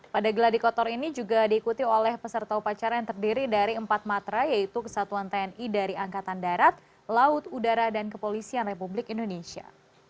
pada geladi kotor ini juga diikuti oleh peserta upacara yang terdiri dari empat matra yaitu kesatuan tni dari angkatan darat laut udara dan kepolisian republik indonesia